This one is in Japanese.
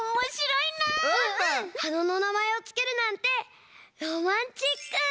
はなのなまえをつけるなんてロマンチック！